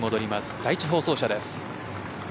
第１放送車です。